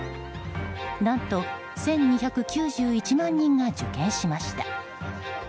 何と１２９１万人が受験しました。